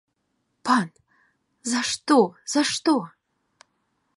Пан, за што, за што?